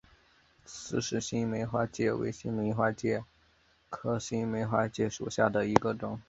斯氏新梅花介为新梅花介科新梅花介属下的一个种。